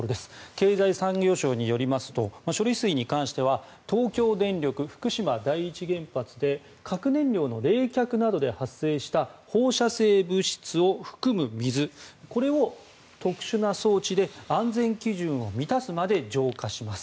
経済産業省によりますと処理水に関しては東京電力福島第一原発で核燃料の冷却などで発生した放射性物質を含む水これを特殊な装置で安全基準を満たすまで浄化します。